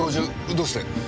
どうして？